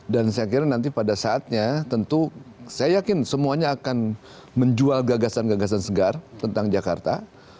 dan saya kira nanti pada saatnya tentu saya yakin semuanya akan menjual gagasan gagasan segar tentang jakarta